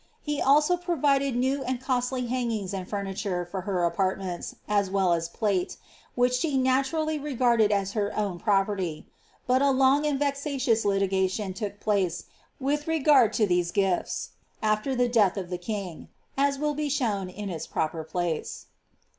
He also provided new and costly hangings and furniture for her apartments, as well as plate, which she naturally regarded as her own property; buti long and vexatious litigation took place, with regard to these gifts, afler tlie death of the king ; as will be shown in its proper place.